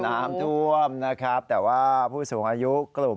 น้ำท่วมนะครับแต่ว่าผู้สูงอายุกลุ่ม